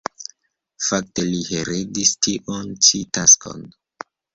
Fakte li heredis tiun ĉi taskon.